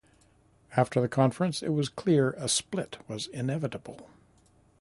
After the conference it was clear a split was inevitable.